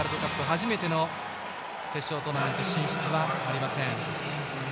初めての決勝トーナメント進出はありません。